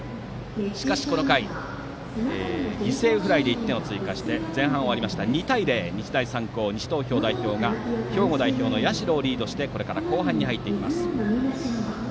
しかしこの回、犠牲フライで１点を追加して前半が終わり２対０と日大三高・西東京代表が兵庫代表の社をリードして後半に入ります。